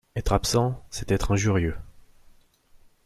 Être absent, c’est être injurieux.